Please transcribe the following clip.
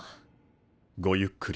ごゆっくり。